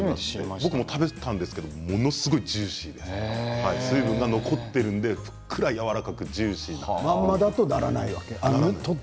僕も食べたんですけどものすごくジューシーで水分が残っているので、ふっくらやわらかくジューシーでした。